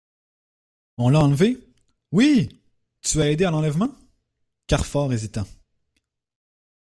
On l'a enlevée ? Oui ! Tu as aidé à l'enlèvement ? Carfor hésita.